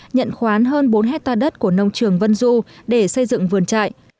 nhận khoán hơn bốn hectare đất của nông trường vân du để xây dựng vườn trại